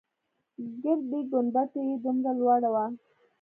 ګردۍ گنبده يې دومره لوړه وه.